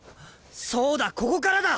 そうだここからだ！